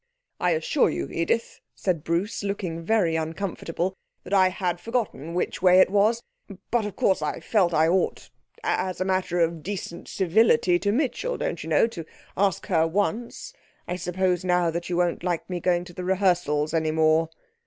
'I assure you, Edith,' said Bruce, looking very uncomfortable, 'that I had forgotten which way it was. But, of course, I felt I ought as a matter of decent civility to Mitchell, don't you know to ask her once. I suppose now that you won't like me going to the rehearsals any more?'